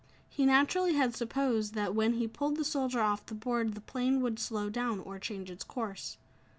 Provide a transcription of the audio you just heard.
He naturally had supposed that when he pulled the soldier off the board the plane would slow down or change its course.